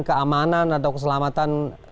keamanan atau keselamatan